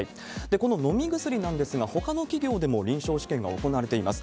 この飲み薬なんですが、ほかの企業でも臨床試験が行われています。